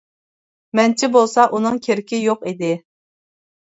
مەنچە بولسا ئۇنىڭ كېرىكى يوق ئىدى.